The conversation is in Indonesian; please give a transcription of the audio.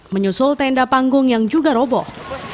menyusul tenda panggung yang juga roboh